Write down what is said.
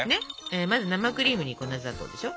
まず生クリームに粉砂糖でしょ。